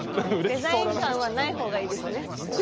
デザイン感はない方がいいですね。